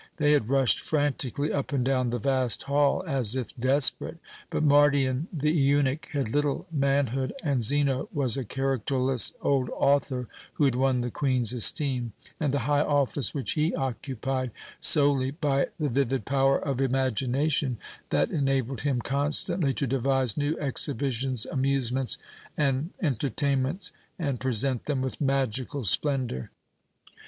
They had rushed frantically up and down the vast hall as if desperate; but Mardion the eunuch had little manhood, and Zeno was a characterless old author who had won the Queen's esteem, and the high office which he occupied solely by the vivid power of imagination, that enabled him constantly to devise new exhibitions, amusements, and entertainments, and present them with magical splendour.